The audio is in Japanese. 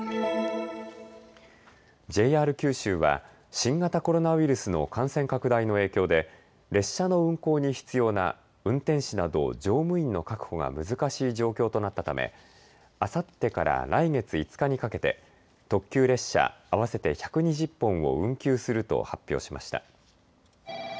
ＪＲ九州は新型コロナウイルスの感染拡大の影響で列車の運行に必要な運転士など乗務員の確保が難しい状況となったためあさってから来月５日にかけて特急列車合わせて１２０本を運休すると発表しました。